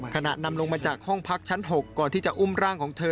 นำลงมาจากห้องพักชั้น๖ก่อนที่จะอุ้มร่างของเธอ